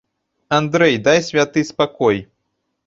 Андрэй, дай святы спакой.